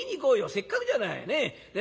せっかくじゃない。ね？